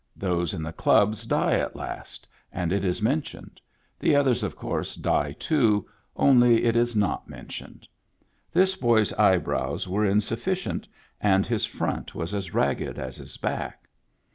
Those in the clubs die at last, and it is mentioned ; the others of course die, too, only it is not mentioned. This boy's eyebrows were insufficient, and his front was as ragged as his back.